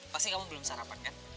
pasti kamu belum sarapan kan